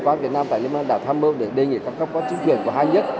các việt nam tại liên bang đảo tham mưu để đề nghị các cấp quán chức truyền của hai nhất